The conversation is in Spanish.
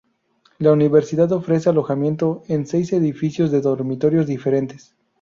La universidad ofrece alojamiento en seis edificios de dormitorios diferentes.